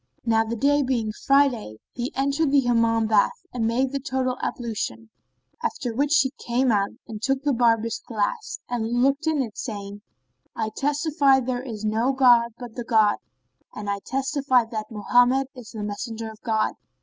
Now the day being Friday, he entered the Hammam bath and made the total ablution: after which he came out and took the barber's glass and looked in it, saying, "I testify that there is no god but the God and I testify that Mohammed is the Messenger of God!"